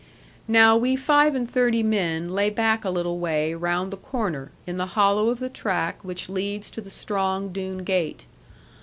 Now we five and thirty men lay back a little way round the corner, in the hollow of the track which leads to the strong Doone gate.